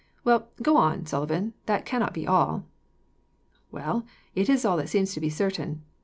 Well, go on, O'Sullivan, that cannot be all." "Well, it is all that seems to be certain.